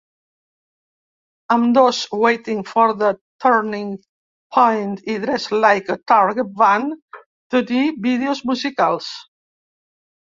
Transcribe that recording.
Ambdós Waiting for the Turning Point i Dress Like a Target van tenir vídeos musicals.